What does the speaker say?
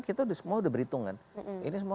kita semua sudah berhitung kan ini semua